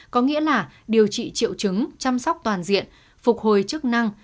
có nghĩa là điều trị triệu chứng chăm sóc toàn diện phục hồi chức năng